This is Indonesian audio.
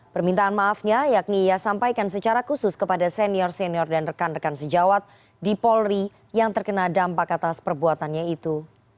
permintaan maafnya yakni ia sampaikan secara khusus kepada senior senior dan rekan rekan sejawat di polri yang terkena dampak atas perbuatannya itu